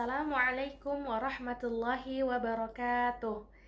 assalamualaikum warahmatullahi wabarakatuh